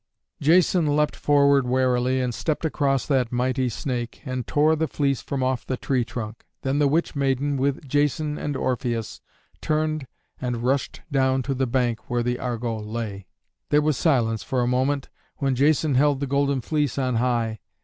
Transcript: Jason leapt forward warily and stept across that mighty snake, and tore the fleece from off the tree trunk. Then the witch maiden with Jason and Orpheus turned and rushed down to the bank where the Argo lay. There was silence for a moment, when Jason held the Golden Fleece on high.